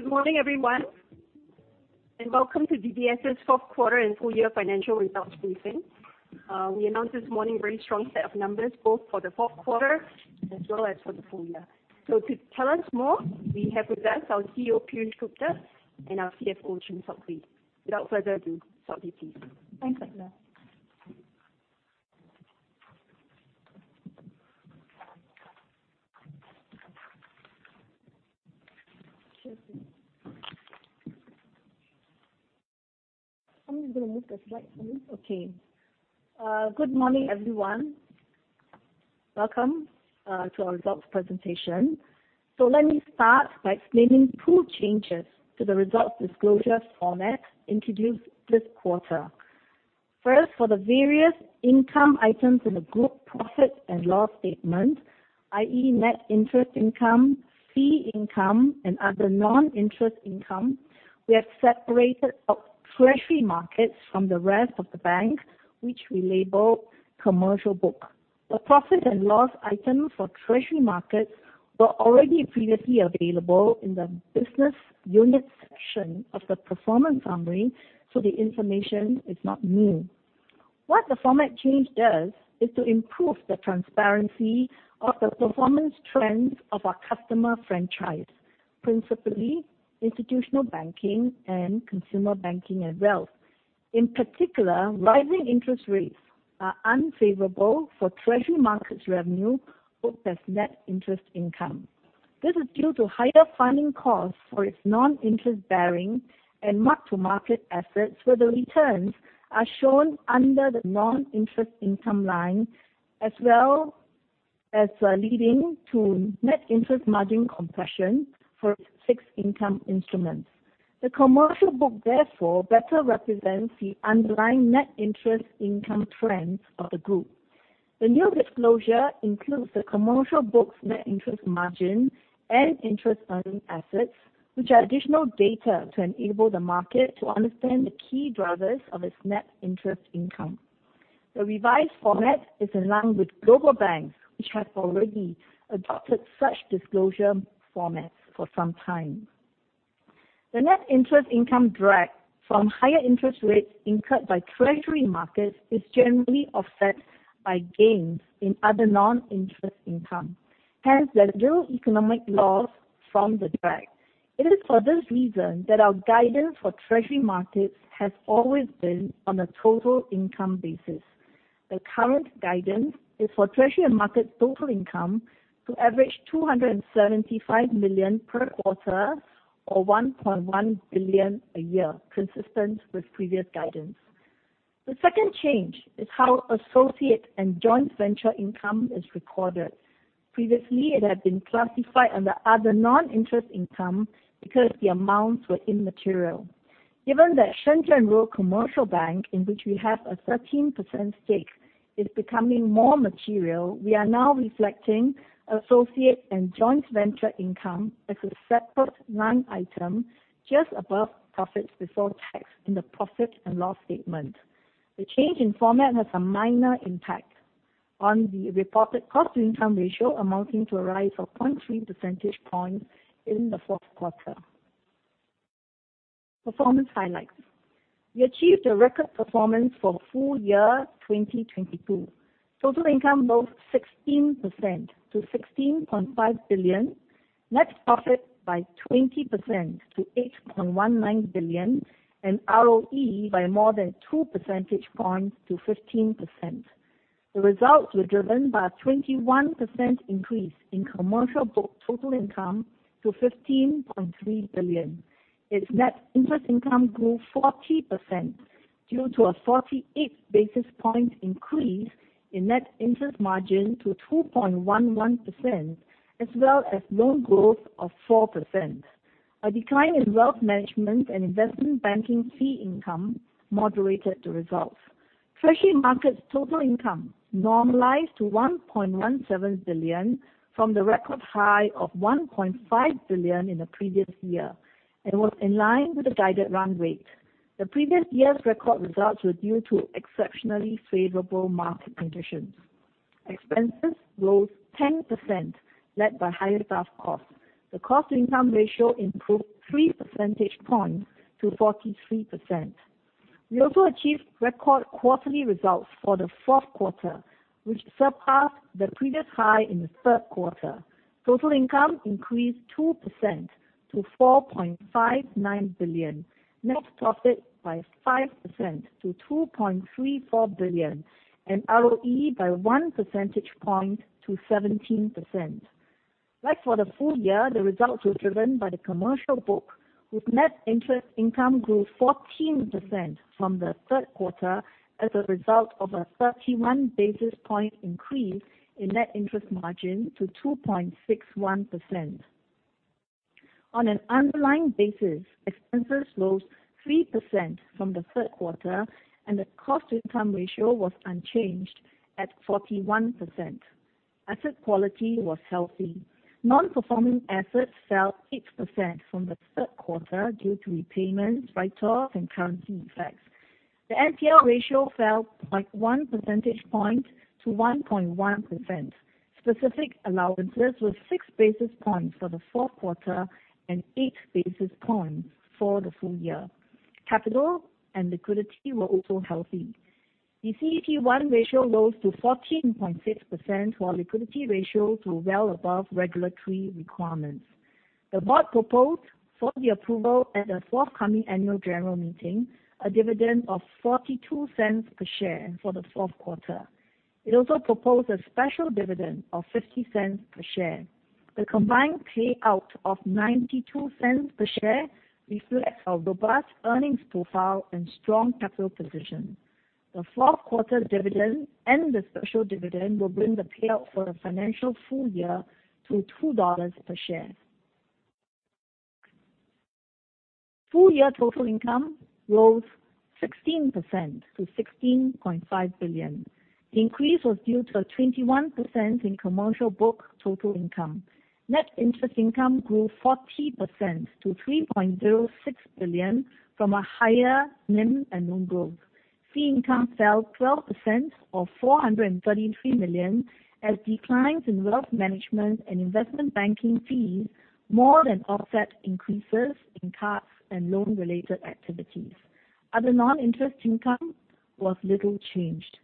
Good morning, everyone, welcome to DBS's fourth quarter and full year financial results briefing. We announced this morning very strong set of numbers, both for the fourth quarter as well as for the full year. To tell us more, we have with us our CEO, Piyush Gupta, and our CFO, Chng Sok Hui. Without further ado, Sok Hui, please. Thanks, Angela. I'm just gonna move the slides for you. Okay. Good morning, everyone. Welcome to our results presentation. Let me start by explaining two changes to the results disclosure format introduced this quarter. First, for the various income items in the group profit and loss statement, i.e. net interest income, fee income, and other non-interest income, we have separated out Treasury Markets from the rest of the bank, which we label commercial book. The profit and loss item for Treasury Markets were already previously available in the business unit section of the performance summary, so the information is not new. What the format change does is to improve the transparency of the performance trends of our customer franchise, principally institutional banking and consumer banking and wealth. In particular, rising interest rates are unfavorable for Treasury Markets revenue booked as net interest income. This is due to higher funding costs for its non-interest-bearing and mark-to-market assets, where the returns are shown under the non-interest income line as well as leading to net interest margin compression for fixed income instruments. The commercial book therefore better represents the underlying net interest income trends of the group. The new disclosure includes the commercial book's net interest margin and interest earning assets, which are additional data to enable the market to understand the key drivers of its net interest income. The revised format is in line with global banks which have already adopted such disclosure formats for some time. The net interest income drag from higher interest rates incurred by Treasury Markets is generally offset by gains in other non-interest income. Hence, there are no economic loss from the drag. It is for this reason that our guidance for Treasury Markets has always been on a total income basis. The current guidance is for Treasury Markets' total income to average 275 million per quarter or 1.1 billion a year, consistent with previous guidance. The second change is how associate and joint venture income is recorded. Previously, it had been classified under other non-interest income because the amounts were immaterial. Given that Shenzhen Rural Commercial Bank, in which we have a 13% stake, is becoming more material, we are now reflecting associate and joint venture income as a separate line item just above profits before tax in the profit and loss statement. The change in format has a minor impact on the reported cost-to-income ratio, amounting to a rise of 0.3 percentage points in the fourth quarter. Performance highlights. We achieved a record performance for full year 2022. Total income rose 16% to 16.5 billion, net profit by 20% to 8.19 billion, and ROE by more than two percentage points to 15%. The results were driven by a 21% increase in commercial book total income to 15.3 billion. Its net interest income grew 40% due to a 48 basis point increase in net interest margin to 2.11% as well as loan growth of 4%. A decline in wealth management and investment banking fee income moderated the results. Treasury Markets' total income normalized to 1.17 billion from the record high of 1.5 billion in the previous year and was in line with the guided run rate. The previous year's record results were due to exceptionally favorable market conditions. Expenses rose 10%, led by higher staff costs. The cost-to-income ratio improved three percentage points to 43%. We also achieved record quarterly results for the fourth quarter, which surpassed the previous high in the third quarter. Total income increased 2% to 4.59 billion, net profit by 5% to 2.34 billion, and ROE by one percentage point to 17%. Like for the full year, the results were driven by the commercial book with net interest income grew 14% from the third quarter as a result of a 31 basis point increase in net interest margin to 2.61%. On an underlying basis, expenses rose 3% from the third quarter, and the cost-to-income ratio was unchanged at 41%. Asset quality was healthy. Non-performing assets fell 8% from the third quarter due to repayments, write-offs, and currency effects. The NPL ratio fell 0.1 percentage point to 1.1%. Specific allowances were six basis points for the fourth quarter and eight basis points for the full year. Capital and liquidity were also healthy. The CET1 ratio rose to 14.6%, while liquidity ratio to well above regulatory requirements. The board proposed for the approval at the forthcoming annual general meeting, a dividend of 0.42 per share for the fourth quarter. It also proposed a special dividend of 0.50 per share. The combined payout of 0.92 per share reflects our robust earnings profile and strong capital position. The fourth quarter dividend and the special dividend will bring the payout for the financial full year to 2.00 dollars per share. Full year total income rose 16% to 16.5 billion. The increase was due to a 21% in commercial book total income. Net interest income grew 40% to 3.06 billion from a higher NIM and loan growth. Fee income fell 12% or 433 million as declines in wealth management and investment banking fees more than offset increases in cards and loan-related activities. Other non-interest income was little changed.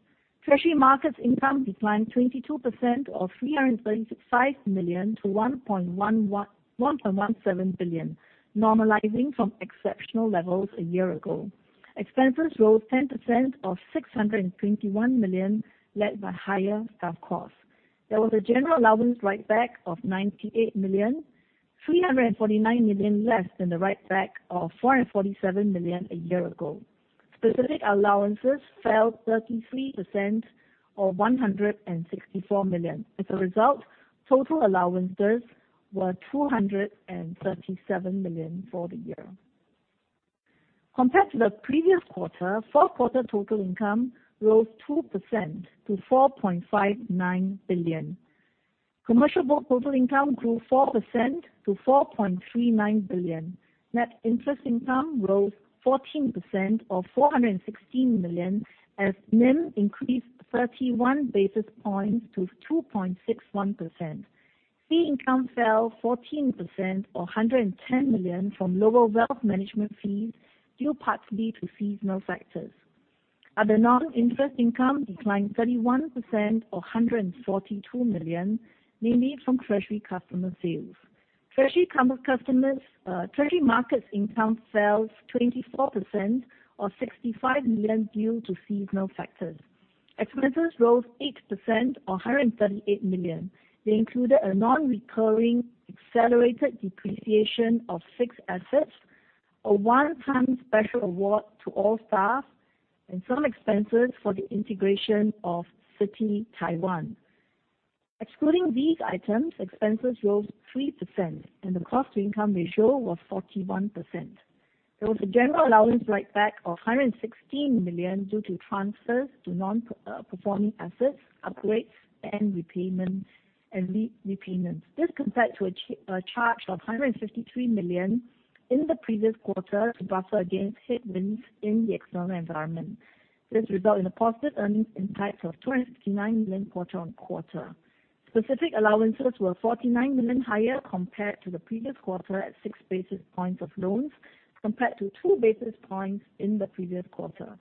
Treasury Markets income declined 22% or 335 million to 1.17 billion, normalizing from exceptional levels a year ago. Expenses rose 10% or 621 million led by higher staff costs. There was a general allowance write-back of 98 million, 349 million less than the write-back of 447 million a year ago. Specific allowances fell 33% or 164 million. As a result, total allowances were 237 million for the year. Compared to the previous quarter, fourth quarter total income rose 2% to 4.59 billion. Commercial book total income grew 4% to 4.39 billion. Net interest income rose 14% or 416 million as NIM increased 31 basis points to 2.61%. Fee income fell 14% or 110 million from lower wealth management fees, due partly to seasonal factors. Other non-interest income declined 31% or 142 million, mainly from treasury customer sales. Treasury Markets income fell 24% or 65 million due to seasonal factors. Expenses rose 8% or 138 million. They included a non-recurring accelerated depreciation of fixed assets, a one-time special award to all staff, and some expenses for the integration of Citi Taiwan. Excluding these items, expenses rose 3% and the cost-to-income ratio was 41%. There was a general allowance write-back of 116 million due to transfers to non-performing assets, upgrades, and repayments and leap repayments. This compared to a charge of 153 million in the previous quarter to buffer against headwinds in the external environment. This result in a positive earnings impact of 269 million quarter-on-quarter. Specific allowances were 49 million higher compared to the previous quarter at 6 basis points of loans, compared to two basis points in the previous quarter.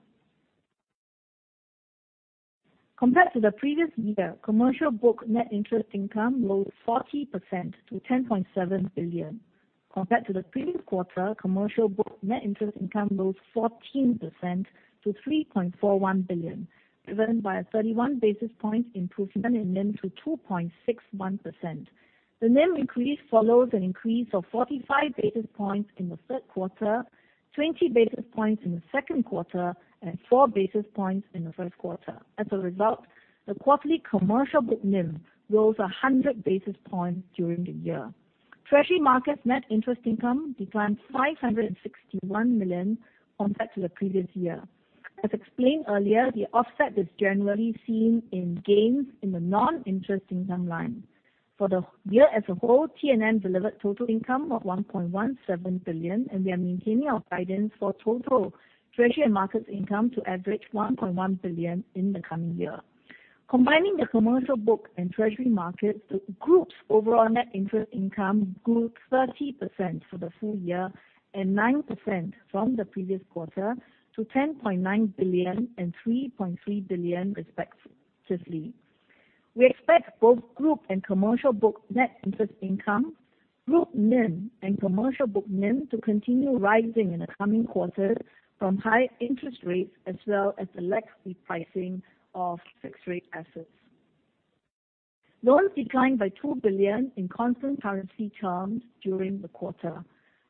Compared to the previous year, commercial book net interest income rose 40% to 10.7 billion. Compared to the previous quarter, commercial book net interest income rose 14% to $3.41 billion, driven by a 31 basis point improvement in NIM to 2.61%. The NIM increase follows an increase of 45 basis points in the third quarter, 20 basis points in the second quarter, and four basis points in the first quarter. The quarterly commercial book NIM rose 100 basis points during the year. Treasury Markets net interest income declined $561 million compared to the previous year. The offset is generally seen in gains in the non-interest income line. For the year as a whole, TM delivered total income of $1.17 billion. We are maintaining our guidance for total Treasury and Markets income to average $1.1 billion in the coming year. Combining the commercial book and Treasury Markets, the group's overall net interest income grew 30% for the full year and 9% from the previous quarter to 10.9 billion and 3.3 billion respectively. We expect both group and commercial book net interest income, group NIM, and commercial book NIM to continue rising in the coming quarters from high interest rates as well as the lack of repricing of fixed rate assets. Loans declined by 2 billion in constant currency terms during the quarter.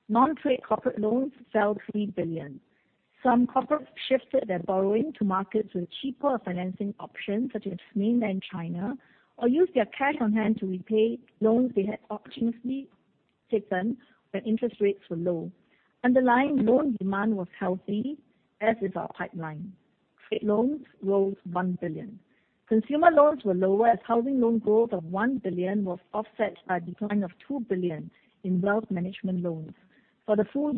Non-trade corporate loans fell 3 billion. Some corporates shifted their borrowing to markets with cheaper financing options such as Mainland China, or used their cash on hand to repay loans they had opportunistically taken when interest rates were low. Underlying loan demand was healthy, as is our pipeline. Trade loans rose 1 billion. Consumer loans were lower as housing loan growth of 1 billion was offset by a decline of 2 billion in wealth management loans. For the full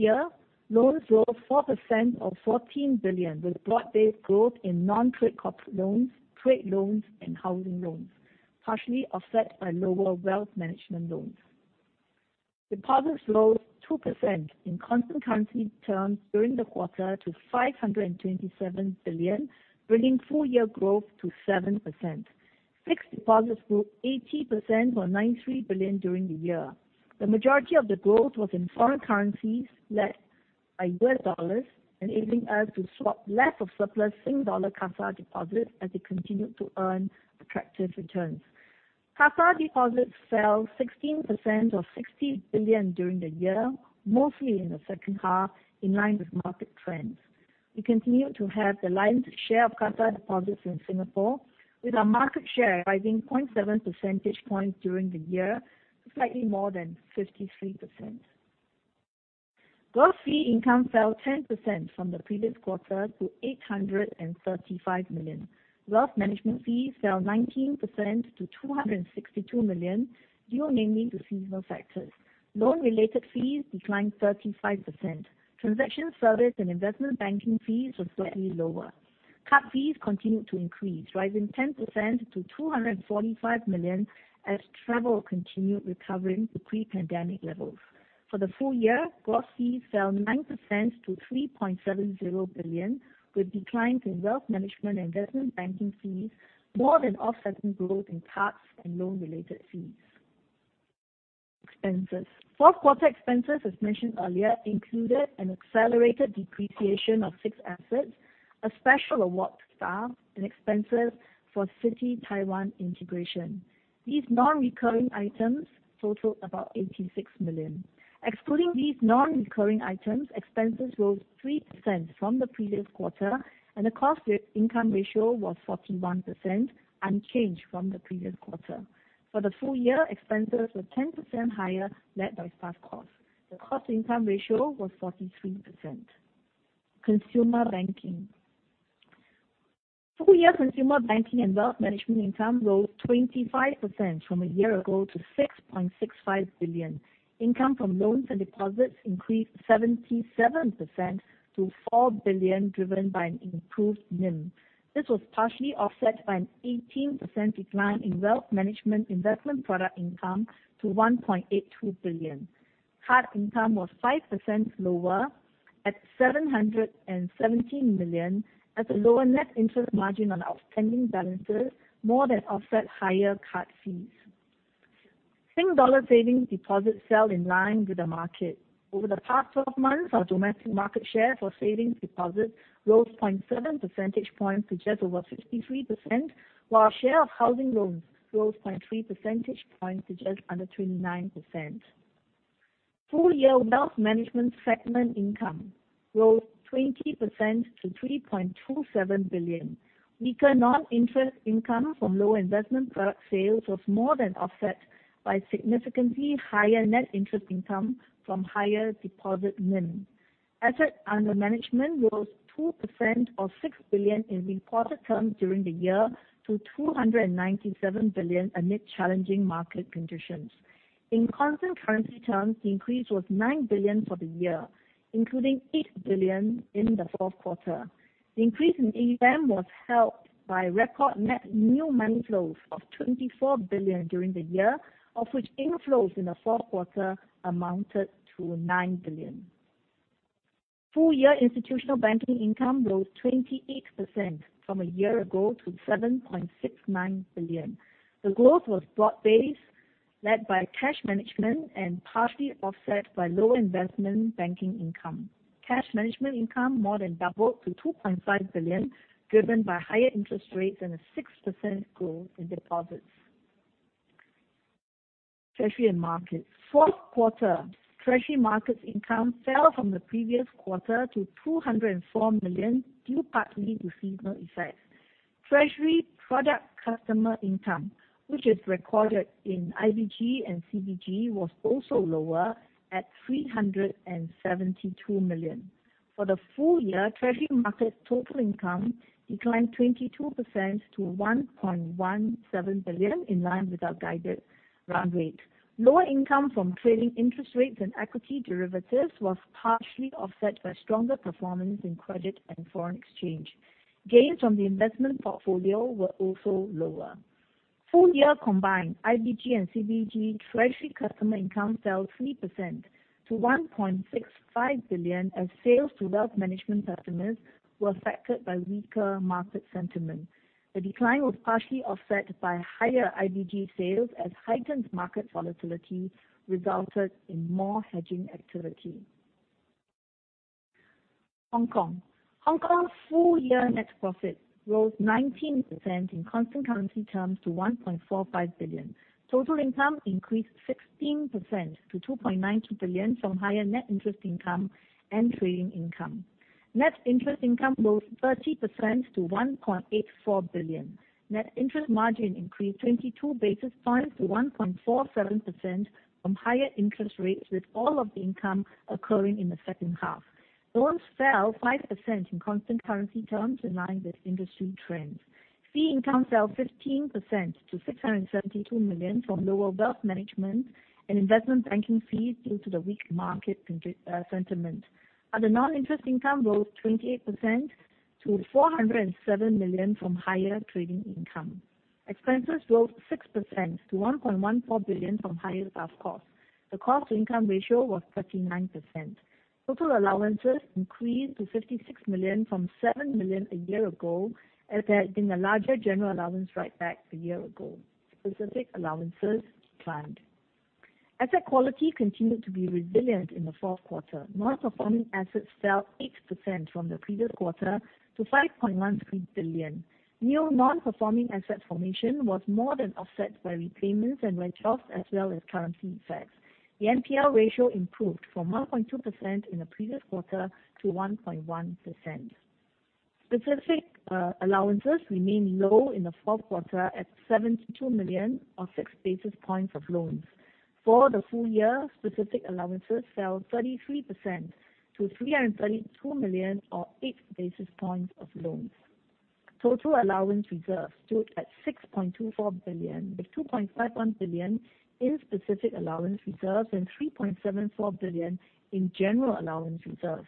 year, loans rose 4% of 14 billion, with broad-based growth in non-trade corp loans, trade loans, and housing loans, partially offset by lower wealth management loans. Deposits rose 2% in constant currency terms during the quarter to 527 billion, bringing full year growth to 7%. Fixed deposits grew 80% or 93 billion during the year. The majority of the growth was in foreign currencies led by U.S. dollars, enabling us to swap less of surplus SingDollar CASA deposits as they continued to earn attractive returns. CASA deposits fell 16% or 60 billion during the year, mostly in the second half, in line with market trends. We continue to have the lion's share of CASA deposits in Singapore, with our market share rising 0.7 percentage points during the year, slightly more than 53%. Gross fee income fell 10% from the previous quarter to 835 million. Wealth management fees fell 19% to 262 million, due mainly to seasonal factors. Loan-related fees declined 35%. Transaction service and investment banking fees were slightly lower. Card fees continued to increase, rising 10% to 245 million as travel continued recovering to pre-pandemic levels. For the full year, gross fees fell 9% to 3.70 billion, with declines in wealth management, investment banking fees more than offsetting growth in cards and loan-related fees. Expenses. Fourth quarter expenses, as mentioned earlier, included an accelerated depreciation of six assets, a special award staff, and expenses for Citi Taiwan integration. These non-recurring items totaled about 86 million. Excluding these non-recurring items, expenses rose 3% from the previous quarter, and the cost-to-income ratio was 41%, unchanged from the previous quarter. For the full year, expenses were 10% higher, led by staff costs. The cost-to-income ratio was 43%. Consumer banking. Full year consumer banking and wealth management income rose 25% from a year ago to 6.65 billion. Income from loans and deposits increased 77% to 4 billion, driven by an improved NIM. This was partially offset by an 18% decline in wealth management investment product income to 1.82 billion. Card income was 5% lower at 717 million as a lower net interest margin on outstanding balances more than offset higher card fees. SingDollar savings deposits fell in line with the market. Over the past 12 months, our domestic market share for savings deposits rose 0.7 percentage points to just over 53%, while our share of housing loans rose 0.3 percentage points to just under 29%. Full year wealth management segment income rose 20% to 3.27 billion. Weaker non-interest income from low investment product sales was more than offset by significantly higher net interest income from higher deposit NIM. Assets under management rose 2% or 6 billion in reported terms during the year to 297 billion amid challenging market conditions. In constant currency terms, the increase was 9 billion for the year, including 8 billion in the fourth quarter. The increase in AUM was helped by record net new money flows of 24 billion during the year, of which inflows in the fourth quarter amounted to 9 billion. Full year institutional banking income rose 28% from a year ago to 7.69 billion. The growth was broad-based, led by cash management and partially offset by lower investment banking income. Cash management income more than doubled to 2.5 billion, driven by higher interest rates and a 6% growth in deposits. Treasury Markets. Fourth quarter Treasury Markets income fell from the previous quarter to 204 million, due partly to seasonal effects. Treasury product customer income, which is recorded in IBG and CBG, was also lower at 372 million. For the full year, Treasury Markets' total income declined 22% to 1.17 billion, in line with our guided run rate. Lower income from trading interest rates and equity derivatives was partially offset by stronger performance in credit and foreign exchange. Gains from the investment portfolio were also lower. Full year combined, IBG and CBG Treasury customer income fell 3% to 1.65 billion as sales to wealth management customers were affected by weaker market sentiment. The decline was partially offset by higher IBG sales as heightened market volatility resulted in more hedging activity. Hong Kong. Hong Kong's full year net profit rose 19% in constant currency terms to 1.45 billion. Total income increased 16% to 2.92 billion from higher net interest income and trading income. Net interest income rose 30% to 1.84 billion. Net interest margin increased 22 basis points to 1.47% from higher interest rates, with all of the income occurring in the second half. Loans fell 5% in constant currency terms in line with industry trends. Fee income fell 15% to 672 million from lower wealth management and investment banking fees due to the weak market sentiment. Other non-interest income rose 28% to 407 million from higher trading income. Expenses rose 6% to 1.14 billion from higher staff costs. The cost-to-income ratio was 39%. Total allowances increased to 56 million from 7 million a year ago as there had been a larger general allowance write-back a year ago. Specific allowances declined. Asset quality continued to be resilient in the fourth quarter. Non-performing assets fell 8% from the previous quarter to 5.13 billion. New non-performing asset formation was more than offset by repayments and write-offs as well as currency effects. The NPL ratio improved from 1.2% in the previous quarter to 1.1%. Specific allowances remained low in the fourth quarter at 72 million or six basis points of loans. For the full year, specific allowances fell 33% to 332 million or eight basis points of loans. Total allowance reserves stood at 6.24 billion, with 2.51 billion in specific allowance reserves and 3.74 billion in general allowance reserves.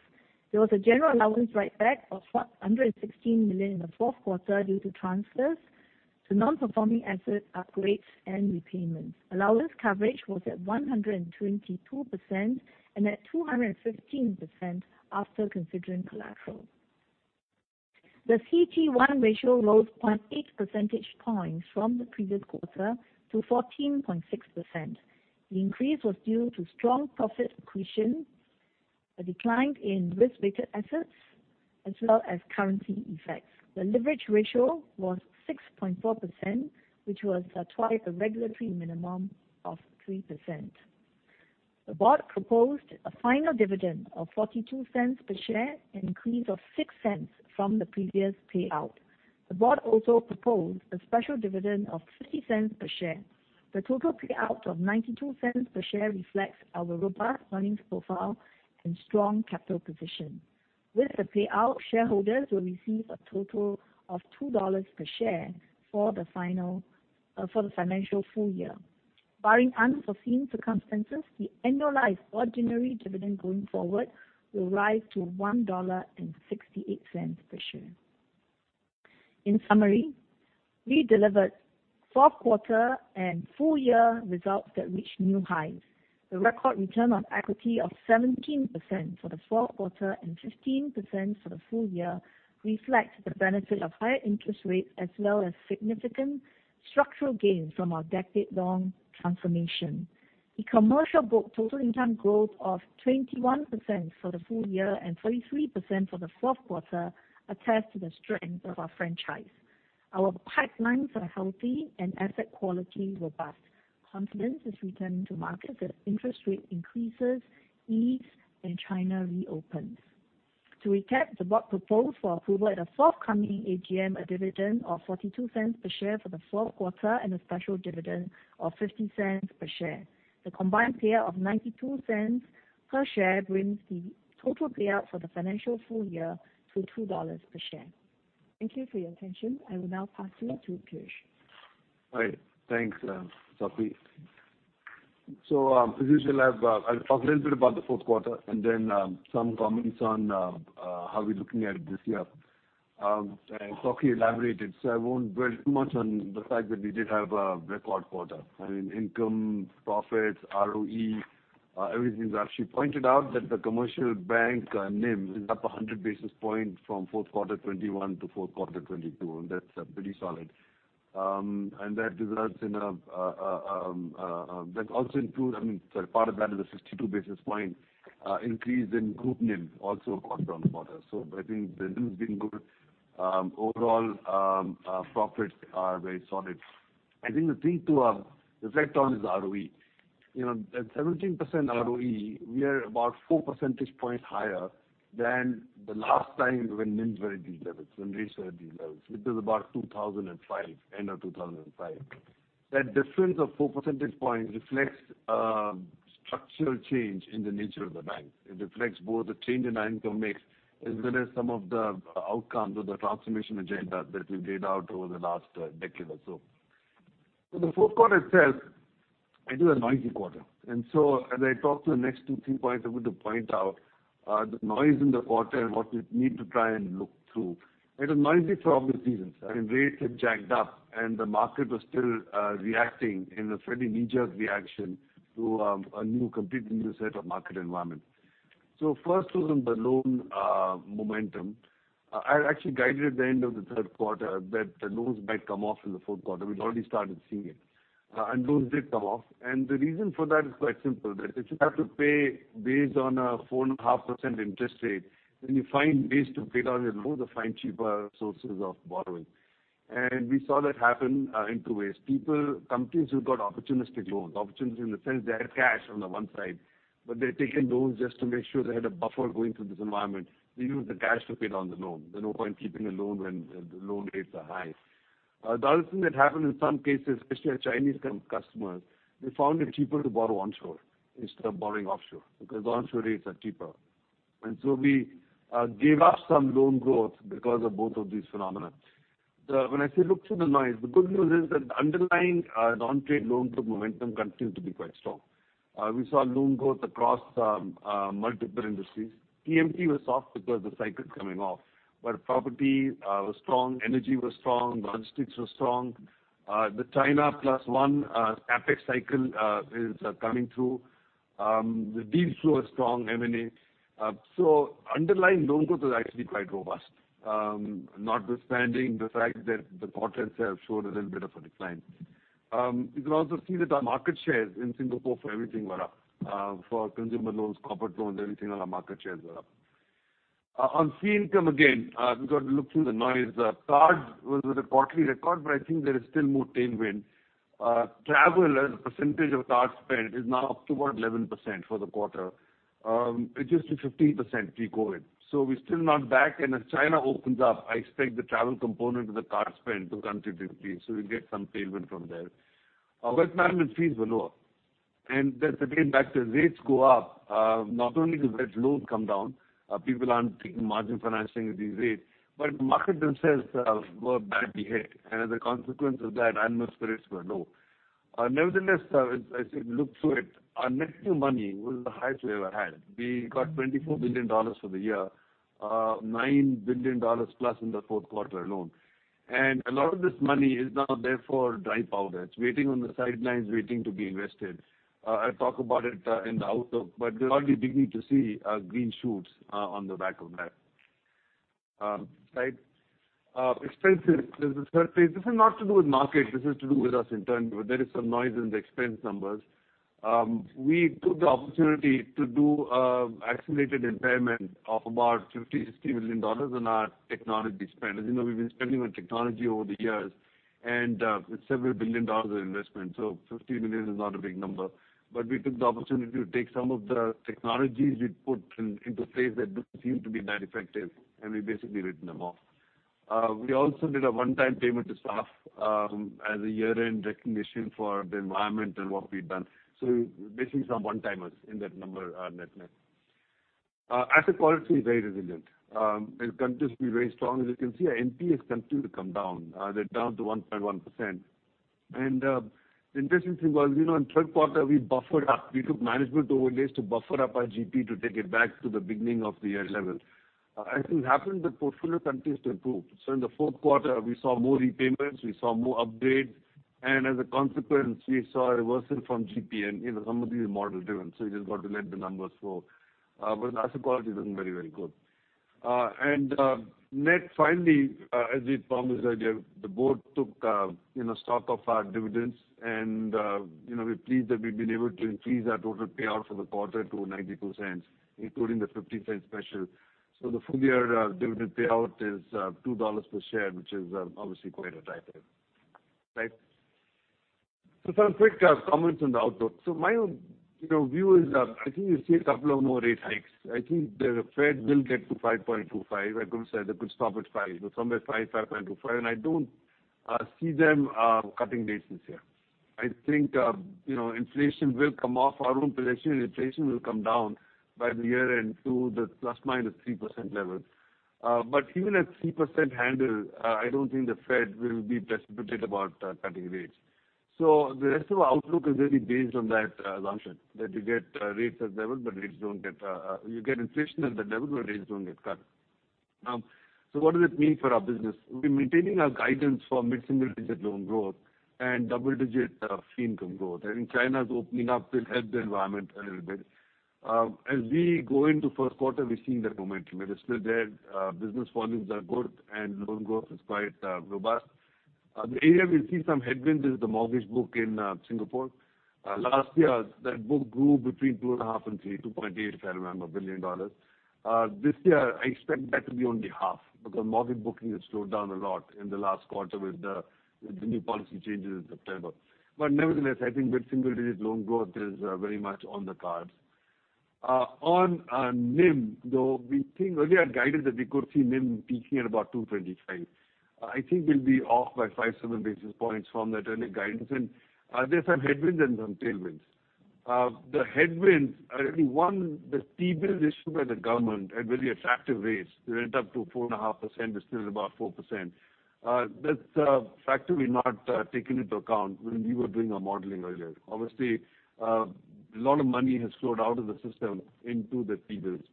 There was a general allowance write-back of 116 million in the Q4 due to transfers to non-performing asset upgrades and repayments. Allowance coverage was at 122% and at 215% after considering collateral. The CET1 ratio rose 0.8 percentage points from the previous quarter to 14.6%. The increase was due to strong profit accretion, a decline in risk-weighted assets, as well as currency effects. The leverage ratio was 6.4%, which was twice the regulatory minimum of 3%. The board proposed a final dividend of 0.42 per share, an increase of 0.06 from the previous payout. The board also proposed a special dividend of 0.50 per share. The total payout of 0.92 per share reflects our robust earnings profile and strong capital position. With the payout, shareholders will receive a total of 2 dollars per share for the final, for the financial full year. Barring unforeseen circumstances, the annualized ordinary dividend going forward will rise to 1.68 dollar per share. In summary, we delivered fourth quarter and full year results that reached new highs. The record return on equity of 17% for the fourth quarter and 15% for the full year reflects the benefit of higher interest rates as well as significant structural gains from our decade-long transformation. The commercial book total income growth of 21% for the full year and 43% for the fourth quarter attests to the strength of our franchise. Our pipelines are healthy and asset quality robust. Confidence is returning to markets as interest rate increases ease and China reopens. To recap, the board proposed for approval at a forthcoming AGM, a dividend of 0.42 per share for the fourth quarter and a special dividend of 0.50 per share. The combined payout of 0.92 per share brings the total payout for the financial full year to 2.00 dollars per share. Thank you for your attention. I will now pass you to Piyush. All right, thanks, Sok Hui. I'll talk a little bit about the fourth quarter and then some comments on how we're looking at it this year. Sok Hui elaborated, I won't dwell too much on the fact that we did have a record quarter. I mean, income, profits, ROE, everything's actually pointed out that the commercial bank, NIM is up 100 basis points from fourth quarter 2021 to fourth quarter 2022, and that's pretty solid. And that results in a that also includes part of that is a 62 basis point increase in group NIM also quarter-on-quarter. I think the NIM's been good. Overall, profits are very solid. I think the thing to reflect on is ROE. You know, at 17% ROE, we are about 4 percentage points higher than the last time when NIMs were at these levels and rates were at these levels, which was about 2005, end of 2005. That difference of four percentage points reflects structural change in the nature of the bank. It reflects both the change in income mix as well as some of the outcomes of the transformation agenda that we laid out over the last decade or so. The fourth quarter itself, it is a noisy quarter. As I talk through the next two, three points, I'm going to point out the noise in the quarter and what we need to try and look through. It is noisy for obvious reasons, and rates have jacked up, and the market was still reacting in a fairly knee-jerk reaction to a new, completely new set of market environment. First was on the loan momentum. I had actually guided at the end of the 3rd quarter that the loans might come off in the 4th quarter. We'd already started seeing it. Loans did come off, and the reason for that is quite simple, that if you have to pay based on a 4.5% interest rate, then you find ways to pay down your loan to find cheaper sources of borrowing. We saw that happen in two ways. People, companies who got opportunistic loans, opportunistic in the sense they had cash on the one side, but they'd taken loans just to make sure they had a buffer going through this environment. They used the cash to pay down the loan. There's no point keeping a loan when the loan rates are high. The other thing that happened in some cases, especially with Chinese customers, they found it cheaper to borrow onshore instead of borrowing offshore, because onshore rates are cheaper. So we gave up some loan growth because of both of these phenomena. When I say look through the noise, the good news is that underlying non-trade loan book momentum continued to be quite strong. We saw loan growth across multiple industries. TMT was soft because the cycle's coming off. Property was strong, energy was strong, logistics was strong. The China plus one CapEx cycle is coming through. The deal flow is strong, M&A. Underlying loan growth was actually quite robust, notwithstanding the fact that the corporates have shown a little bit of a decline. You can also see that our market shares in Singapore for everything were up. For consumer loans, corporate loans, everything on our market shares were up. On fee income, again, we've got to look through the noise. Cards was at a quarterly record, but I think there is still more tailwind. Travel as a percentage of card spend is now up to about 11% for the quarter. It used to be 15% pre-COVID. We're still not back. As China opens up, I expect the travel component of the card spend to come to the field, so we get some payment from there. Wealth management fees were lower. That's again, back to as rates go up, not only does that load come down, people aren't taking margin financing at these rates, but the market themselves were badly hit. As a consequence of that, animal spirits were low. Nevertheless, as you look through it, our net new money was the highest we ever had. We got $24 billion for the year, $9 billion+ in the fourth quarter alone. A lot of this money is now therefore dry powder. It's waiting on the sidelines, waiting to be invested. I talk about it in the outlook, but we're already beginning to see green shoots on the back of that. Right. Expenses. This is the third thing. This is not to do with market. This is to do with us internally. There is some noise in the expense numbers. We took the opportunity to do accelerated impairment of about 50 million-60 million dollars on our technology spend. As you know, we've been spending on technology over the years and with several billion SGD of investment. So 50 million is not a big number. We took the opportunity to take some of the technologies we'd put in, into place that didn't seem to be that effective, and we've basically written them off. We also did a one-time payment to staff, as a year-end recognition for the environment and what we've done. Basically some one-timers in that number, net-net. Asset quality is very resilient and continues to be very strong. As you can see, our NPS continued to come down. They're down to 1.1%. Interesting thing was, you know, in third quarter we buffered up. We took management overlays to buffer up our GP to take it back to the beginning of the year level. As it happened, the portfolio continues to improve. In the fourth quarter we saw more repayments, we saw more upgrades, and as a consequence, we saw a reversal from GP. You know, some of these are model driven, you just got to let the numbers flow. Asset quality looking very, very good. Net finally, as we promised earlier, the board took stock of our dividends and we're pleased that we've been able to increase our total payout for the quarter to 0.92, including the 0.50 special. The full year dividend payout is 2 dollars per share, which is obviously quite attractive. Right? Some quick comments on the outlook. My own view is I think you'll see a couple of more rate hikes. I think the Fed will get to 5.25. I couldn't say they could stop at five, but somewhere 5.25. I don't see them cutting rates this year. I think inflation will come off. Our own prediction is inflation will come down by the year-end to the ±3% level. Even at 3% handle, I don't think the Fed will be precipitate about cutting rates. The rest of our outlook is really based on that assumption, that you get rates at level, but You get inflation at that level, but rates don't get cut. What does it mean for our business? We're maintaining our guidance for mid-single-digit loan growth and double-digit fee income growth. China's opening up will help the environment a little bit. We go into first quarter, we're seeing that momentum. It is still there. Business volumes are good and loan growth is quite robust. The area we'll see some headwinds is the mortgage book in Singapore. Last year, that book grew between two and a half and three, 2.8, if I remember, billion SGD. This year I expect that to be only half because mortgage booking has slowed down a lot in the last quarter with the new policy changes in September. Nevertheless, I think mid-single digit loan growth is very much on the cards. On our NIM, though, we think earlier guidance that we could see NIM peaking at about 2.25%. I think we'll be off by five, seven basis points from that early guidance. There's some headwinds and some tailwinds. The headwinds are really, one, the T-bill issued by the government at very attractive rates. They went up to 4.5%, it's still about 4%. That's a factor we've not taken into account when we were doing our modeling earlier. Obviously, a lot of money has flowed out of the system into the T-bills.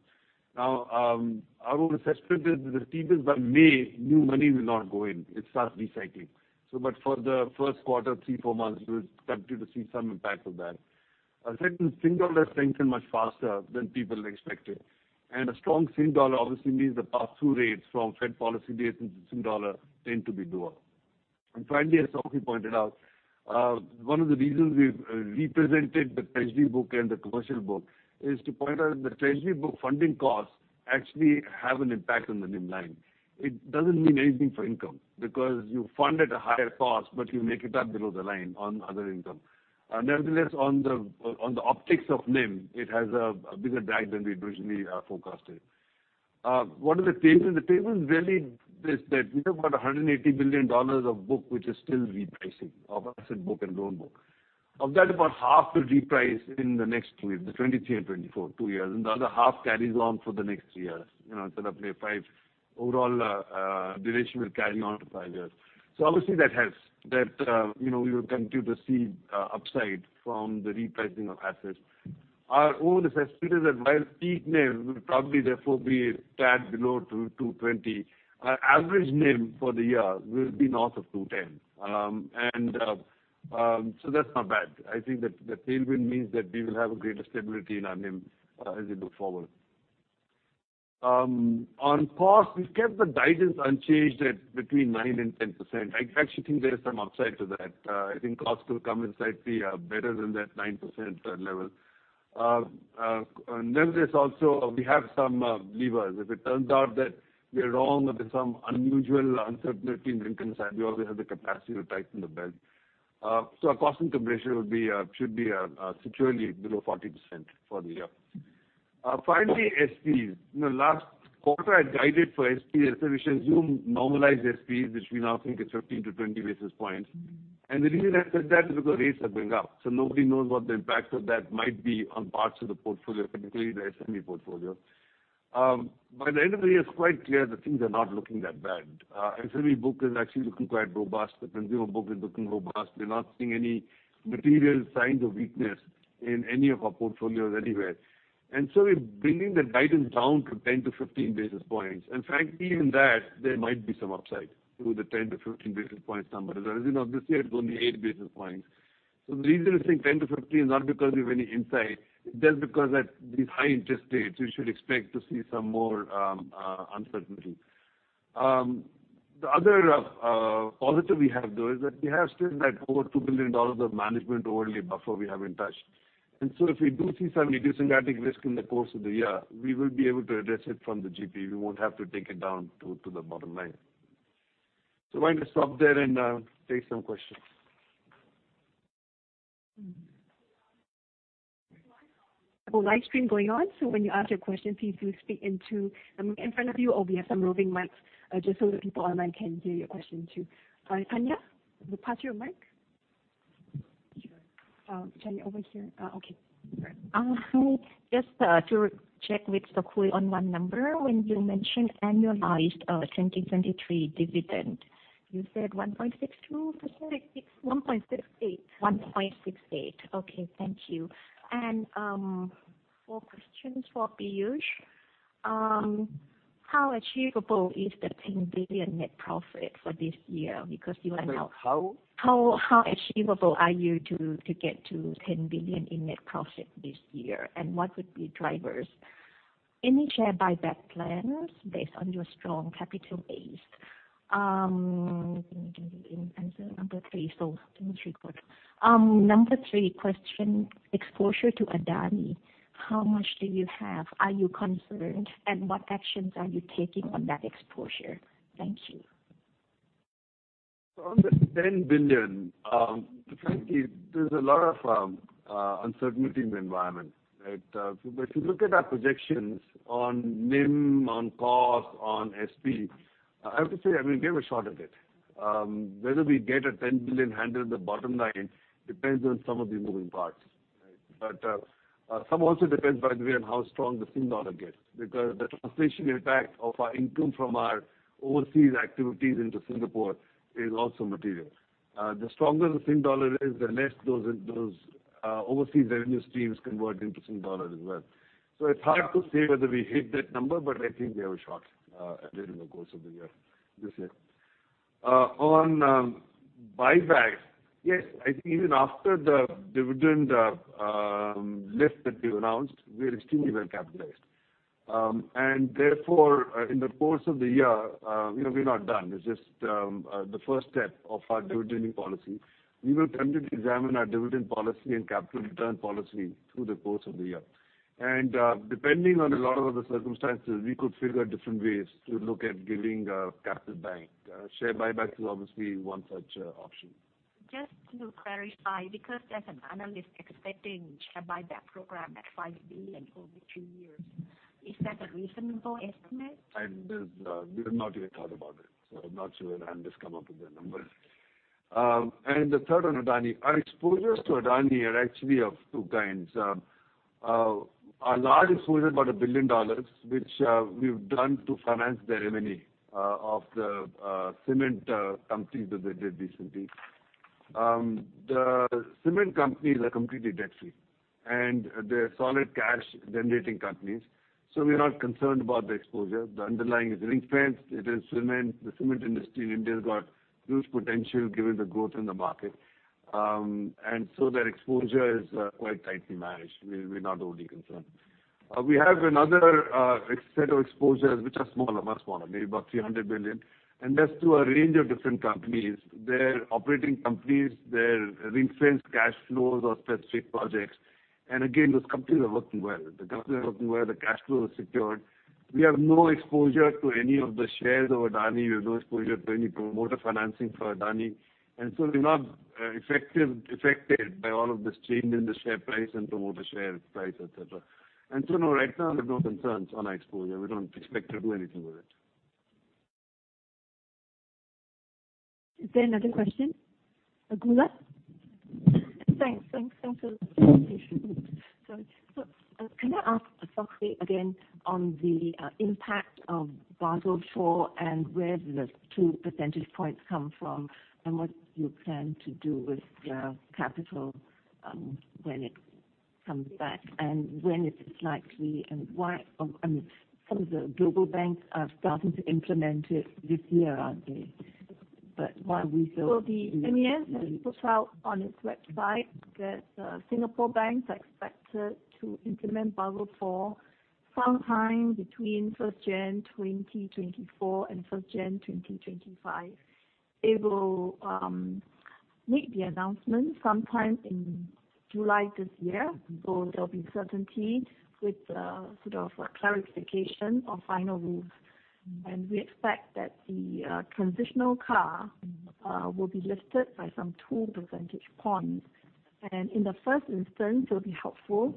Now, our own assessment is the T-bills by May, new money will not go in. It starts recycling. But for the first quarter, three, four months, we'll continue to see some impact of that. Second, Sing Dollar strengthened much faster than people expected. A strong Sing Dollar obviously means the pass-through rates from Fed policy dates into Sing Dollar tend to be lower. Finally, as Sok Hui pointed out, one of the reasons we've represented the treasury book and the commercial book is to point out the treasury book funding costs actually have an impact on the NIM line. It doesn't mean anything for income because you fund at a higher cost, but you make it up below the line on other income. Nevertheless, on the optics of NIM, it has a bigger drag than we originally forecasted. What are the tailwinds? The tailwind really is that we've got 180 billion dollars of book, which is still repricing of asset book and loan book. Of that, about half will reprice in the next two years, 2023 and 2024, two years, and the other half carries on for the next three years. You know, sort of a five overall, duration will carry on to five years. Obviously that helps that, you know, we will continue to see upside from the repricing of assets. Our own assessment is that while peak NIM will probably therefore be a tad below 2.20%, our average NIM for the year will be north of 2.10%. That's not bad. I think that the tailwind means that we will have a greater stability in our NIM as we move forward. On costs, we've kept the guidance unchanged at between 9% and 10%. I actually think there is some upside to that. I think costs will come in slightly better than that 9% level. Then there's also we have some levers. If it turns out that we're wrong or there's some unusual uncertainty on the income side, we always have the capacity to tighten the belt. Our cost-to-income ratio would be, should be, securely below 40% for the year. Finally, SPE. In the last quarter, I guided for SPEs. We should assume normalized SPEs, which we now think is 15-20 basis points. The reason I said that is because rates are going up, so nobody knows what the impact of that might be on parts of the portfolio, particularly the SME portfolio. By the end of the year, it's quite clear that things are not looking that bad. SME book is actually looking quite robust. The consumer book is looking robust. We're not seeing any material signs of weakness in any of our portfolios anywhere. We're bringing the guidance down from 10-15 basis points. Frankly, even that there might be some upside to the 10-15 basis point number. As of this year, it's only eight basis points. The reason I think 10-15 is not because we have any insight, it's just because at these high interest rates, we should expect to see some more uncertainty. The other positive we have though is that we have still that over $2 billion of management overlay buffer we haven't touched. If we do see some idiosyncratic risk in the course of the year, we will be able to address it from the GP. We won't have to take it down to the bottom line. Why don't I stop there and take some questions? We have a live stream going on. When you ask your question, please do speak into the mic in front of you or we have some moving mics, just so the people online can hear your question too. Tanya, we pass you a mic. Tanya over here. Okay. Hi. Just to check with Sokhui on one number. When you mentioned annualized 2023 dividend, you said 1.62%? It's 1.68. 1.68. Okay, thank you. More questions for Piyush. How achievable is the 10 billion net profit for this year? Wait, how? How achievable are you to get to 10 billion in net profit this year? What would be drivers? Any share buyback plans based on your strong capital base? Let me answer number three, so three parts. Number three question, exposure to Adani. How much do you have? Are you concerned? What actions are you taking on that exposure? Thank you. On the 10 billion, frankly, there's a lot of uncertainty in the environment, right? But if you look at our projections on NIM, on costs, on SPE, I have to say, I mean, we have a shot at it. Whether we get a 10 billion handle at the bottom line depends on some of these moving parts. Some also depends, by the way, on how strong the Sing Dollar gets, because the translation impact of our income from our overseas activities into Singapore is also material. The stronger the Sing Dollar is, the less those overseas revenue streams convert into Sing Dollar as well. It's hard to say whether we hit that number, but I think we have a shot during the course of the year, this year. On buybacks, yes, I think even after the dividend lift that we've announced, we are extremely well capitalized. Therefore, in the course of the year, you know, we're not done. It's just the first step of our dividend policy. We will periodically examine our dividend policy and capital return policy through the course of the year. Depending on a lot of other circumstances, we could figure different ways to look at giving capital back. Share buyback is obviously one such option. Just to clarify, because there's an analyst expecting share buyback program at 5 billion over two years. Is that a reasonable estimate? I've, we have not even thought about it. I'm not sure where the analyst come up with their numbers. The third on Adani. Our exposures to Adani are actually of two kinds. Our large exposure is about $1 billion, which we've done to finance the M&A of the cement companies that they did recently. The cement companies are completely debt-free. They're solid cash generating companies. We're not concerned about the exposure. The underlying is reinforced. It is cement. The cement industry in India has got huge potential given the growth in the market. Their exposure is quite tightly managed. We're not overly concerned. We have another set of exposures which are smaller, much smaller, maybe about $300 billion. That's through a range of different companies. They're operating companies, they're reinforced cash flows or specific projects. Again, those companies are working well. The companies are working well, the cash flow is secured. We have no exposure to any of the shares of Adani. We have no exposure to any promoter financing for Adani. We're not affected by all of this change in the share price and promoter share price, et cetera. No, right now we have no concerns on our exposure. We don't expect to do anything with it. Is there another question? Agula? Thanks. Thanks. Thanks for the presentation. Can I ask exactly again on the impact of Basel IV and where the two percentage points come from and what you plan to do with the capital when it comes back and when it is likely and why. I mean, some of the global banks are starting to implement it this year, aren't they? Why are we still- Well, the MAS has put out on its website that Singapore banks are expected to implement Basel IV sometime between 1st January 2024 and 1st January 2025. It will make the announcement sometime in July this year. There'll be certainty with the sort of clarification or final rules. We expect that the transitional CAR will be lifted by some two percentage points. In the first instance, it'll be helpful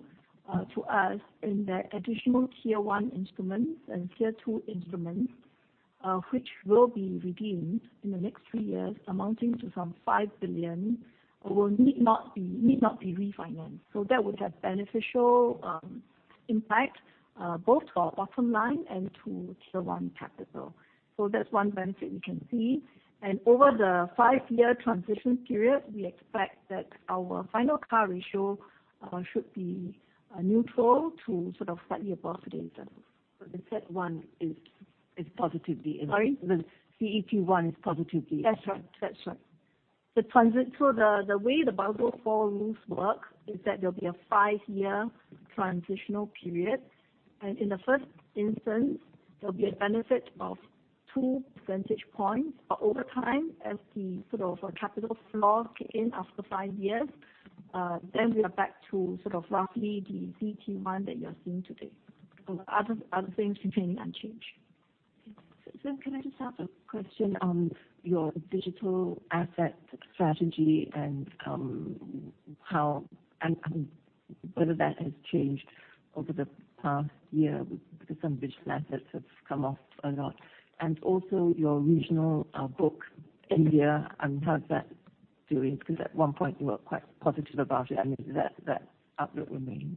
to us in that Additional Tier 1 instruments and Tier two instruments, which will be redeemed in the next three years amounting to some $5 billion will need not be refinanced. That would have beneficial impact both to our bottom line and to Tier 1 capital. That's one benefit we can see. Over the five-year transition period, we expect that our final CAR ratio should be neutral to sort of slightly above today's levels. The CET1 is positively impacted. Sorry? The CET1 is positively impacted. That's right. The way the Basel IV rules work is that there'll be a five-year transitional period, and in the first instance, there'll be a benefit of two percentage points. Over time, as the sort of capital floor kick in after five years, then we are back to sort of roughly the CET1 that you're seeing today. Other things remaining unchanged. Okay. Can I just have a question on your digital asset strategy and how and whether that has changed over the past year because some digital assets have come off a lot. Also your regional book, India and how is that doing? At one point you were quite positive about it. I mean, is that outlook remains?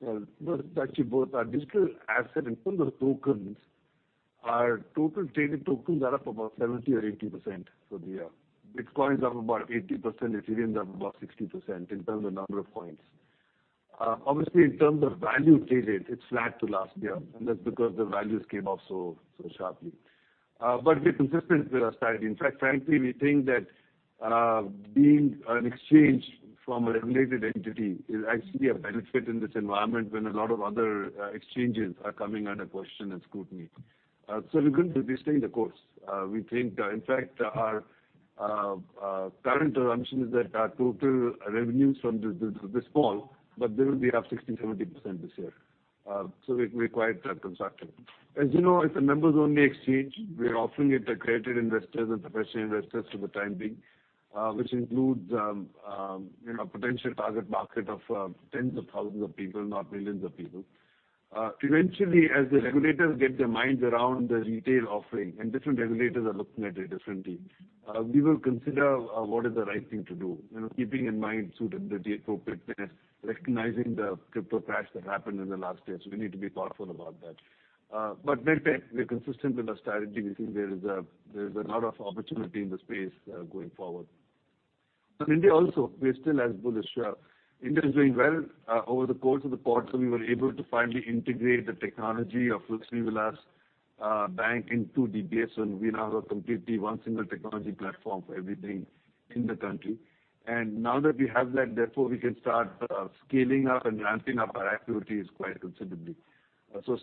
Well, no, actually both our digital asset in terms of tokens, our total traded tokens are up about 70% or 80% for the year. Bitcoin is up about 80%, Ethereum is up about 60% in terms of number of coins. Obviously, in terms of value traded, it's flat to last year. That's because the values came off so sharply. We're consistent with our strategy. In fact, frankly, we think that being an exchange from a regulated entity is actually a benefit in this environment when a lot of other exchanges are coming under question and scrutiny. We're going to be staying the course. We think that, in fact, our current assumption is that our total revenues from this fall, but they will be up 60%, 70% this year. We're quite constructive. As you know, it's a members-only exchange. We're offering it to accredited investors and professional investors for the time being, which includes, you know, potential target market of tens of thousands of people, not millions of people. Eventually, as the regulators get their minds around the retail offering, and different regulators are looking at it differently, we will consider what is the right thing to do. You know, keeping in mind suitability, appropriateness, recognizing the crypto crash that happened in the last year. We need to be thoughtful about that. We're consistent with our strategy. We think there is a lot of opportunity in the space, going forward. In India also, we're still as bullish. India is doing well, over the course of the quarter, we were able to finally integrate the technology of Lakshmi Vilas Bank into DBS, we now have a completely one single technology platform for everything in the country. Now that we have that, therefore, we can start scaling up and ramping up our activities quite considerably.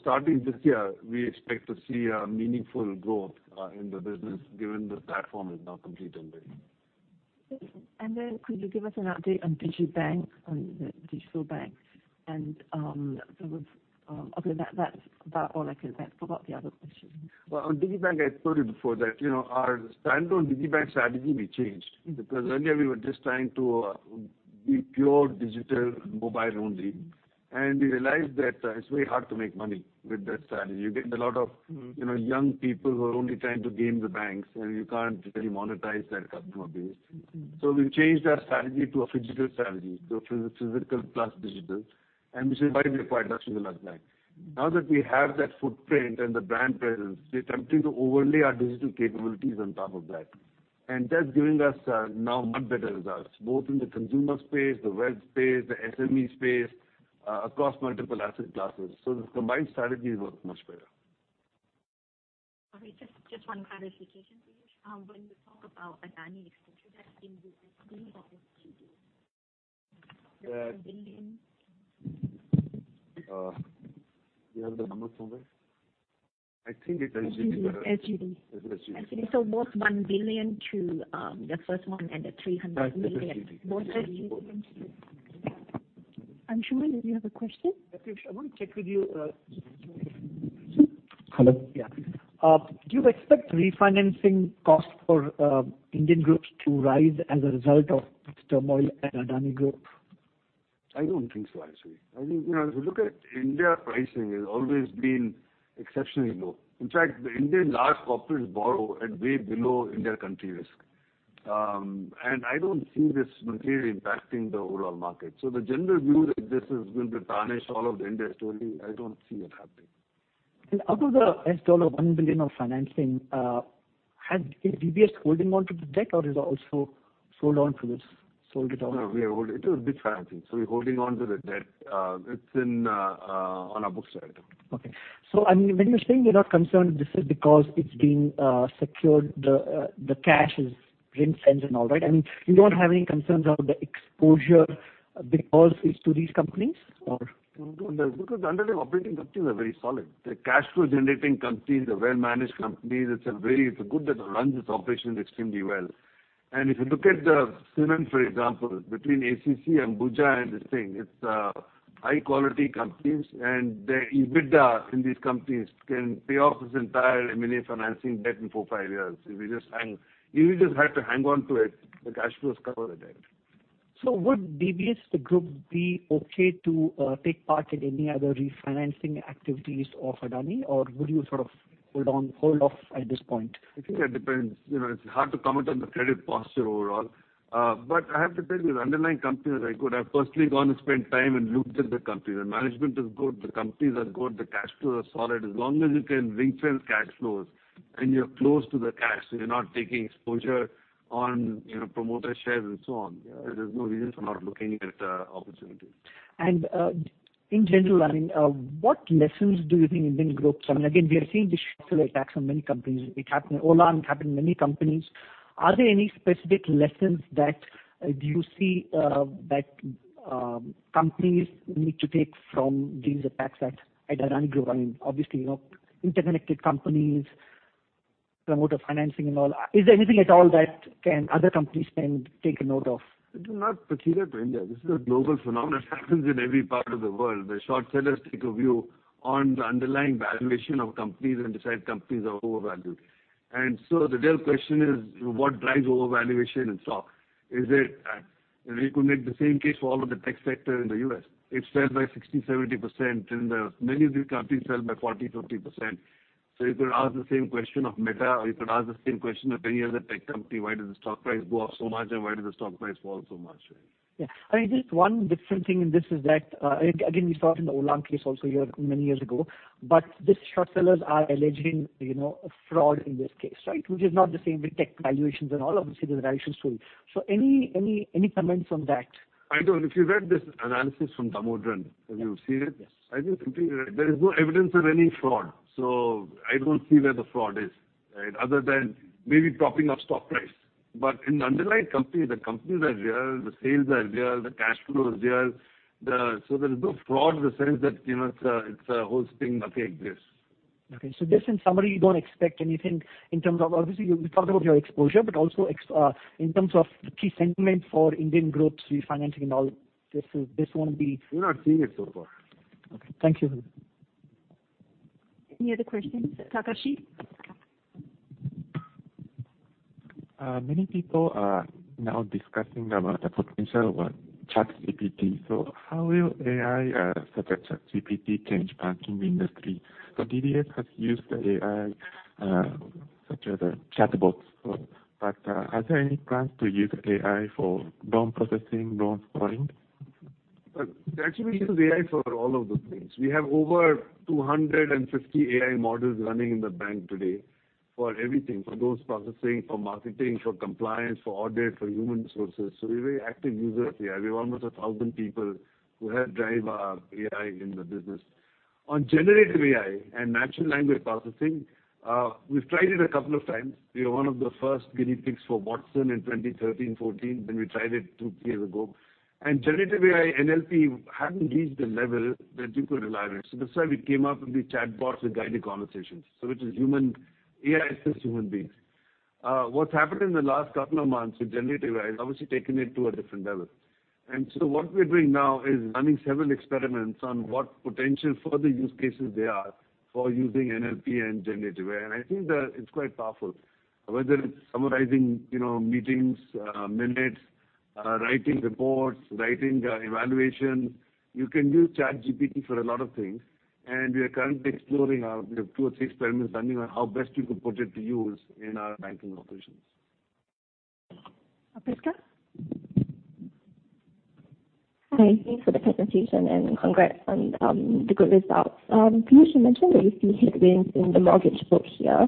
Starting this year, we expect to see a meaningful growth in the business given the platform is now complete in India. Okay. Could you give us an update on digibank, on the digital bank? Okay, that's about all I can think. I forgot the other question. Well, on digibank, I told you before that, you know, our standalone digibank strategy, we changed. Mm-hmm. Earlier we were just trying to be pure digital mobile only, and we realized that it's very hard to make money with that strategy. Mm-hmm. You know, young people who are only trying to game the banks, and you can't really monetize that customer base. Mm-hmm. We changed our strategy to a phygital strategy. physical plus digital, and this is why we acquired Lakshmi Vilas Bank. Now that we have that footprint and the brand presence, we're attempting to overlay our digital capabilities on top of that. That's giving us now much better results, both in the consumer space, the wealth space, the SME space across multiple asset classes. The combined strategy is working much better. Okay. Just one clarification, please. When you talk about Adani exposure, that's in the SG or SGD? The The billion. Do you have the numbers somewhere? I think it is. SGD. SGD. SGD. SGD. Both SGD 1 billion to the first one and SGD 300 million. Right. Both in SGD. Anshuman, did you have a question? Rakshit, I want to check with you, do you mind if we move seats? Mm-hmm. Hello? Yeah. Do you expect refinancing costs for Indian groups to rise as a result of this turmoil at Adani Group? I don't think so, Anshuman. I think, you know, if you look at India pricing has always been exceptionally low. In fact, the Indian large corporates borrow at way below India country risk. I don't see this material impacting the overall market. The general view that this is going to tarnish all of the India story, I don't see it happening. Out of the installed $1 billion of financing, is DBS holding onto the debt, or is it also sold it off? It was big financing. We're holding onto the debt. It's on our books right now. Okay. I mean, when you're saying you're not concerned, this is because it's been secured the the cash is rinsed and all, right? I mean, you don't have any concerns about the exposure because it's to these companies, or? No concern because the underlying operating companies are very solid. They're cash flow generating companies. They're well-managed companies. It's a good that runs its operations extremely well. If you look at the cement, for example, between ACC and Ambuja and this thing, it's high quality companies. The EBITDA in these companies can pay off this entire M&A financing debt in four, five years. If we just have to hang on to it, the cash flows cover the debt. Would DBS, the group, be okay to take part in any other refinancing activities of Adani, or would you sort of hold on, hold off at this point? I think that depends. You know, it's hard to comment on the credit posture overall. I have to tell you, the underlying companies are very good. I've personally gone and spent time and looked at the companies. The management is good. The companies are good. The cash flows are solid. As long as you can ring-fence cash flows and you're close to the cash, so you're not taking exposure on, you know, promoter shares and so on, yeah, there's no reason for not looking at opportunities. In general, I mean, what lessons do you think Indian groups learn? We are seeing digital attacks on many companies. It happened in Ola and it happened in many companies. Are there any specific lessons that do you see that companies need to take from these attacks at Adani Group? I mean, obviously, you know, interconnected companies, promoter financing and all. Is there anything at all that can other companies can take a note of? It is not particular to India. This is a global phenomenon. It happens in every part of the world, where short sellers take a view on the underlying valuation of companies and decide companies are overvalued. The real question is, what drives overvaluation in stock? Is it? We could make the same case for all of the tech sector in the U.S. It fell by 60%-70%, many of these companies fell by 40%-50%. You could ask the same question of Meta, or you could ask the same question of any other tech company, "Why does the stock price go up so much, and why does the stock price fall so much?" Right? Yeah. I mean, just one different thing in this is that, again, we saw it in the Ola case also here many years ago, but these short sellers are alleging, you know, a fraud in this case, right? Which is not the same with tech valuations and all. Obviously, there's valuation story. Any, any comments on that? I don't. If you read this analysis from Damodaran, have you seen it? Yes. I think simply, there is no evidence of any fraud. I don't see where the fraud is, right? Other than maybe propping up stock price. In the underlying company, the companies are real, the sales are real, the cash flow is real. There's no fraud in the sense that, you know, it's a, it's a whole thing nothing exists. Just in summary, you don't expect anything. Obviously, you, we talked about your exposure, but also in terms of the key sentiment for Indian groups refinancing and all. We're not seeing it so far. Okay. Thank you. Any other questions? Takeshi? Many people are now discussing about the potential of ChatGPT. How will AI, such as ChatGPT, change banking industry? DBS has used AI, such as a chatbot. Are there any plans to use AI for loan processing, loan scoring? Well, we actually use AI for all of those things. We have over 250 AI models running in the bank today for everything, for those processing, for marketing, for compliance, for audit, for human resources. We're a very active user of AI. We have almost 1,000 people who help drive our AI in the business. On generative AI and natural language processing, we've tried it a couple of times. We were one of the first guinea pigs for Watson in 2013, 2014, then we tried it two, three years ago. Generative AI, NLP hadn't reached the level that you could rely on it. That's why we came up with the chatbots with guided conversations. AI assists human beings. What's happened in the last couple of months with generative AI has obviously taken it to a different level. What we're doing now is running several experiments on what potential further use cases there are for using NLP and generative AI. I think that it's quite powerful. Whether it's summarizing, you know, meetings, minutes, writing reports, writing evaluation, you can use ChatGPT for a lot of things, and we are currently exploring our, you know, two or three experiments running on how best you could put it to use in our banking operations. Priska? Hi. Thanks for the presentation. Congrats on the good results. Piyush, you mentioned that you see headwinds in the mortgage book here.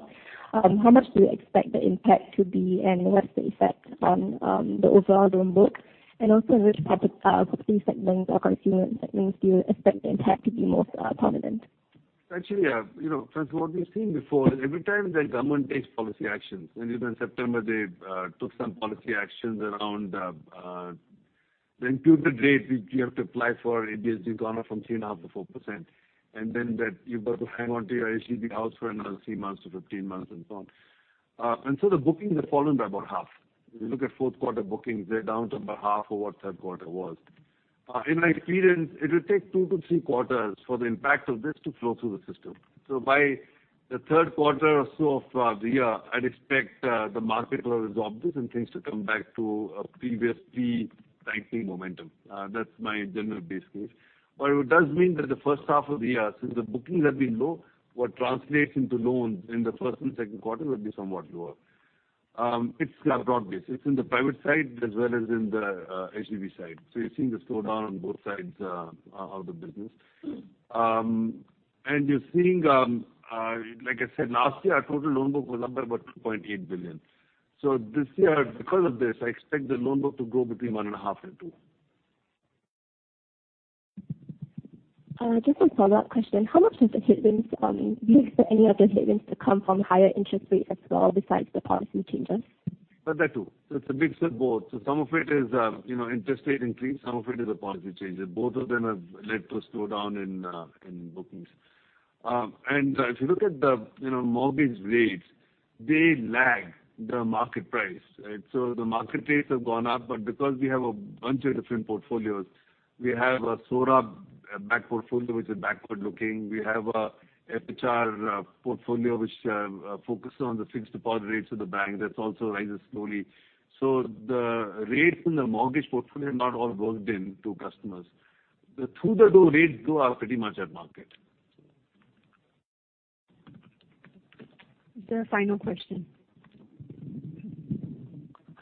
How much do you expect the impact to be, and what's the effect on the overall loan book? Also which product, property segment or consumer segments do you expect the impact to be most prominent? Actually, you know, Priska, what we've seen before, every time the government takes policy actions, and even in September they took some policy actions around the input date which you have to apply for HDB loan from 3.5% to 4%, and then that you've got to hang on to your HDB house for another three months to 15 months and so on. The bookings have fallen by about half. If you look at fourth quarter bookings, they're down to about half of what third quarter was. In my experience, it'll take 2-3 quarters for the impact of this to flow through the system. By the third quarter or so of the year, I'd expect the market will resolve this and things to come back to previously tightly momentum. That's my general base case. It does mean that the first half of the year, since the bookings have been low, what translates into loans in the first and second quarter will be somewhat lower. It's broad-based. It's in the private side as well as in the HDB side. You're seeing the slowdown on both sides of the business. Like I said, last year, our total loan book was up by about 2.8 billion. This year, because of this, I expect the loan book to go between 1.5 billion and 2 billion. Just a follow-up question. How much is the headwinds coming? Do you expect any of the headwinds to come from higher interest rates as well besides the policy changes? That too. It's a mix of both. Some of it is, you know, interest rate increase, some of it is the policy changes. Both of them have led to a slowdown in bookings. If you look at the, you know, mortgage rates, they lag the market price, right? The market rates have gone up, but because we have a bunch of different portfolios, we have a SORA back portfolio, which is backward-looking. We have a FHR portfolio which focuses on the fixed deposit rates of the bank. That also rises slowly. The rates in the mortgage portfolio have not all worked into customers. The through the door rates though are pretty much at market. The final question.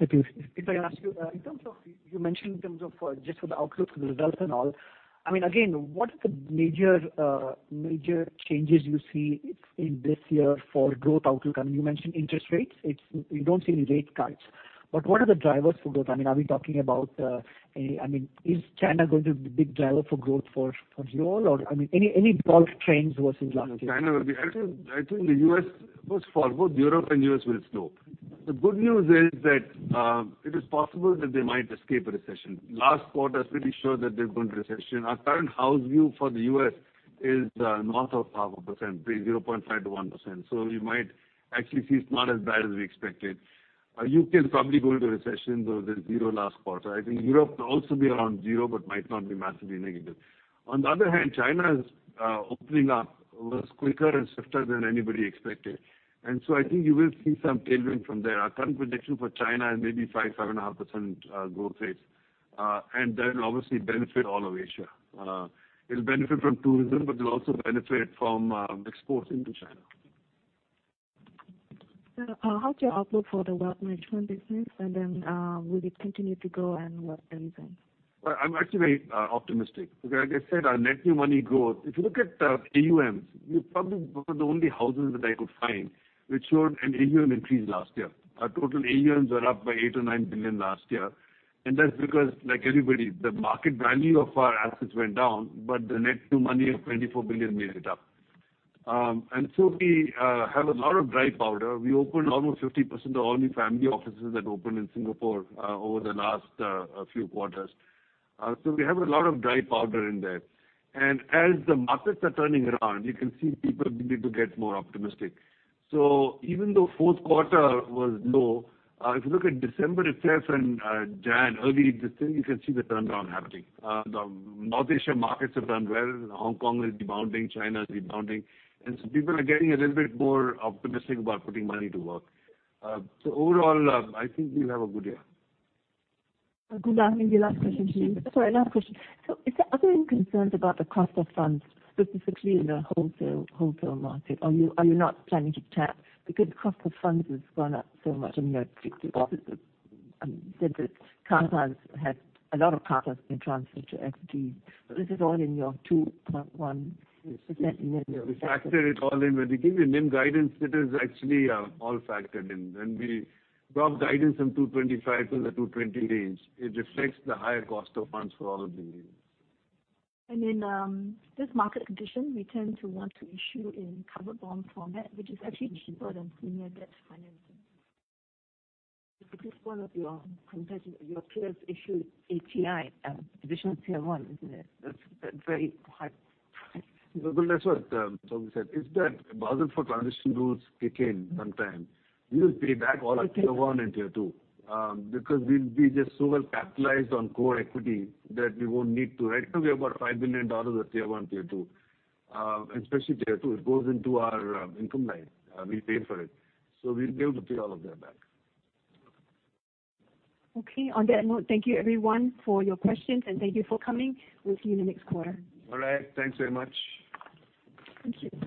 If I can ask you mentioned in terms of, just for the outlook for the results and all, I mean, again, what are the major changes you see in this year for growth outlook? I mean, you mentioned interest rates. You don't see any rate cuts. What are the drivers for growth? I mean, are we talking about, I mean, is China going to be the big driver for growth for you all? Or, I mean, any broad trends versus last year? China will be. I think the U.S. first for both Europe and U.S. will slow. The good news is that it is possible that they might escape a recession. Last quarter is pretty sure that there's been recession. Our current house view for the U.S. is north of half a percent, between 0.5%-1%. We might actually see it's not as bad as we expected. U.K. is probably going to recession, though there's zero last quarter. I think Europe could also be around zero, but might not be massively negative. On the other hand, China's opening up was quicker and swifter than anybody expected. I think you will see some tailwind from there. Our current prediction for China is maybe 5%-5.5% growth rate. That'll obviously benefit all of Asia. It'll benefit from tourism, but it'll also benefit from exports into China. Sir, how's your outlook for the wealth management business? Will it continue to grow and what then? Well, I'm actually very optimistic because like I said, our net new money growth. If you look at AUMs, we're probably one of the only houses that I could find which showed an AUM increase last year. Our total AUMs were up by $8 billion-$9 billion last year. That's because, like anybody, the market value of our assets went down, but the net new money of $24 billion made it up. We have a lot of dry powder. We opened almost 50% of all new family offices that opened in Singapore over the last few quarters. We have a lot of dry powder in there. As the markets are turning around, you can see people beginning to get more optimistic. Even though fourth quarter was low, if you look at December itself and January, early this thing, you can see the turnaround happening. The North Asia markets have done well. Hong Kong is rebounding, China is rebounding. People are getting a little bit more optimistic about putting money to work. Overall, I think we'll have a good year. Good morning. The last question to you. Sorry, last question. Is there other concerns about the cost of funds, specifically in the wholesale market? Are you not planning to tap because cost of funds has gone up so much in the 60 offices, since a lot of car loans been transferred to FD. This is all in your two plus one. We factored it all in. When we give you NIM guidance, it is actually all factored in. When we drop guidance from 2.25% to the 2.20% range, it reflects the higher cost of funds for all of the years. In this market condition, we tend to want to issue in covered bond format, which is actually cheaper than senior debt financing. One of your competitors, your peers issued AT1, Additional Tier 1, isn't it? That's very hard. That's what Tommy said, is that Basel IV transition rules kick in sometime. We will pay back all our Tier 1 and Tier 2, because we'll be just so well capitalized on core equity that we won't need to. Right now, we have about $5 billion of Tier 1, Tier 2, especially Tier 2. It goes into our income line. We pay for it. We'll be able to pay all of that back. Okay. On that note, thank you everyone for your questions, and thank you for coming. We'll see you in the next quarter. All right. Thanks very much. Thank you.